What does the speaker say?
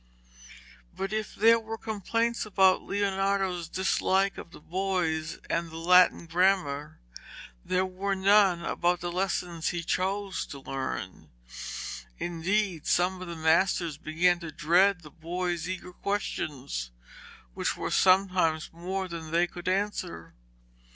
But if there were complaints about Leonardo's dislike of the boys and the Latin grammar, there would be none about the lessons he chose to learn. Indeed, some of the masters began to dread the boy's eager questions, which were sometimes more than they could answer.